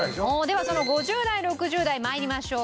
ではその５０代６０代参りましょう。